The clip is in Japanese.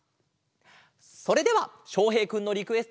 それではしょうへいくんのリクエストで。